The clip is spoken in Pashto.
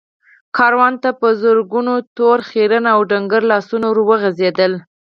کاروان ته په زرګونو تور، خيرن او ډنګر لاسونه ور وغځېدل.